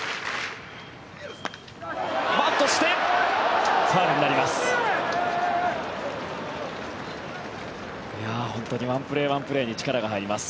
バントしてファウルになります。